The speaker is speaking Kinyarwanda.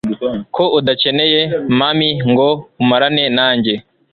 ko udakeneye mummy ngo umarane nanjye